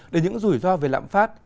đến những rủi ro về lạm phát